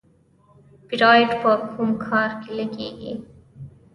بیرایت په کوم کار کې لګیږي؟